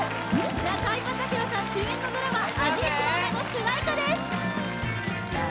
中居正広さん主演のドラマ「味いちもんめ」の主題歌です